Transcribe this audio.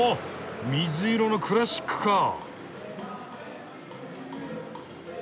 水色のクラシックカー！